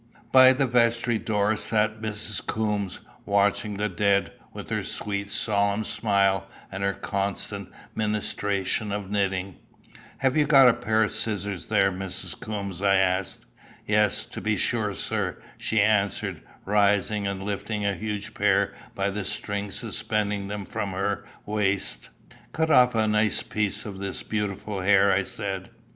By the vestry door sat Mrs. Coombes, watching the dead, with her sweet solemn smile, and her constant ministration of knitting. "Have you got a pair of scissors there, Mrs. Coombes?" I asked. "Yes, to be sure, sir," she answered, rising, and lifting a huge pair by the string suspending them from her waist. "Cut off a nice piece of this beautiful hair," I said.